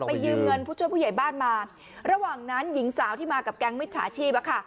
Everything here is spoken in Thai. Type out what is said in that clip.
ยืมเงินผู้ช่วยผู้ใหญ่บ้านมาระหว่างนั้นหญิงสาวที่มากับแก๊งมิจฉาชีพอะค่ะ